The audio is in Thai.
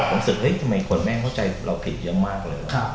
ผมรู้สึกเฮ้ยทำไมคนแม่งเข้าใจเราผิดเยอะมากเลย